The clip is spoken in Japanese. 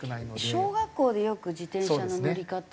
小学校でよく自転車の乗り方を。